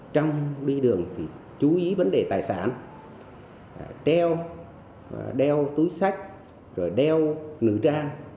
trong đi đường thì chú ý vấn đề tài sản treo đeo túi sách rồi đeo nữ trang